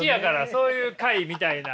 そういう会みたいな。